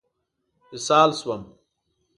اسهال شوم.